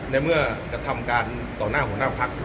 ในเมื่อกระทำการต่อหน้าหัวหน้าพัก